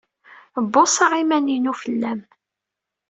Bbuṣaɣ iman-inu fell-am.